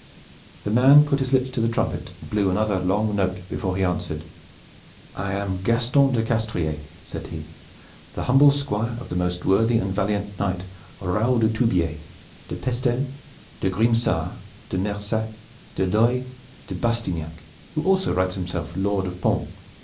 The man put his lips to the trumpet and blew another long note before he answered. "I am Gaston de Castrier," said he, "the humble Squire of the most worthy and valiant knight Raoul de Tubiers, de Pestels, de Grimsard, de Mersac, de Leoy, de Bastanac, who also writes himself Lord of Pons.